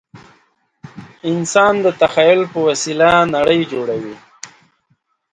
انسان د تخیل په وسیله نړۍ جوړوي.